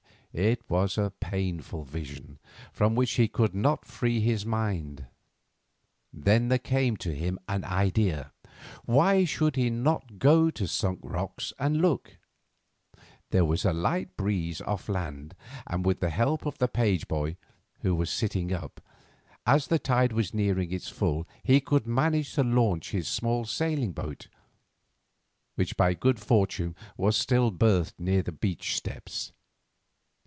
It was a painful vision from which he could not free his mind. Then there came to him an idea. Why should he not go to the Sunk Rocks and look? There was a light breeze off land, and with the help of the page boy, who was sitting up, as the tide was nearing its full he could manage to launch his small sailing boat, which by good fortune was still berthed near the beach steps.